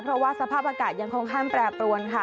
เพราะว่าสภาพอากาศยังค่อนข้างแปรปรวนค่ะ